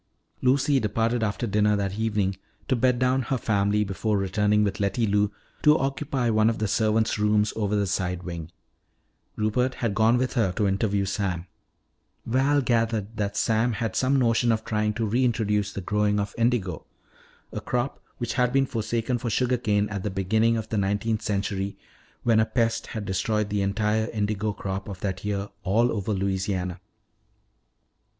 Lucy departed after dinner that evening to bed down her family before returning with Letty Lou to occupy one of the servant's rooms over the side wing. Rupert had gone with her to interview Sam. Val gathered that Sam had some notion of trying to reintroduce the growing of indigo, a crop which had been forsaken for sugar cane at the beginning of the nineteenth century when a pest had destroyed the entire indigo crop of that year all over Louisiana.